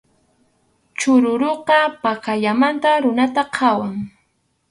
Chukuruqa pakallamanta runata qhawan.